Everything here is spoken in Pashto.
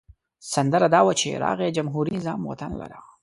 سندره دا وه چې راغی جمهوري نظام وطن لره.